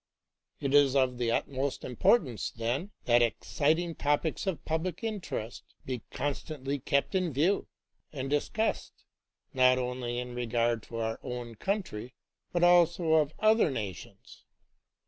It is of the utmost importance, then, that exciting topics of public interest be constantly kept in view, and discussed, not only in regard to our own country, but also of other nations.